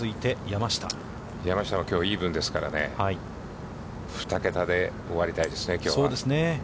山下はきょうイーブンですから、二桁で終わりたいですね、きょうは。